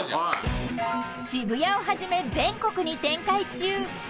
［渋谷をはじめ全国に展開中］